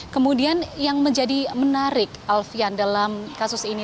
kemudian yang menjadi menarik alfian dalam kasus ini